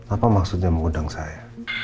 apa maksudnya mengundang saya